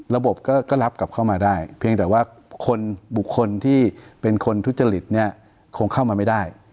ระบบก็รับกลับเข้ามาได้เพียงแต่ว่าคนบุคคลที่เป็นคนทุจริตเนี่ยคงเข้ามาไม่ได้